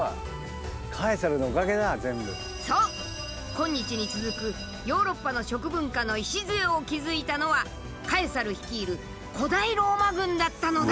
今日に続くヨーロッパの食文化の礎を築いたのはカエサル率いる古代ローマ軍だったのだ。